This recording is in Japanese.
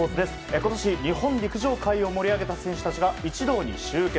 今年日本陸上界を盛り上げた選手たちが一堂に集結。